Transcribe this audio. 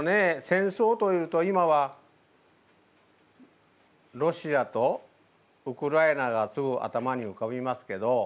戦争というと今はロシアとウクライナがすぐ頭にうかびますけど。